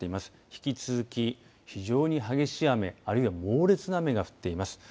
引き続き、非常に激しい雨あるいは猛烈な雨が降っています。